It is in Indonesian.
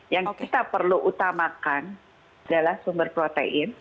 yang kita perlu utamakan adalah sumber protein